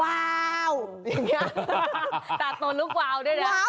ตัดตัวลูกว้าวด้วยนะ